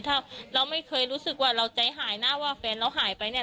ถ้าเราไม่เคยรู้สึกว่าเราใจหายนะว่าแฟนเราหายไปเนี่ย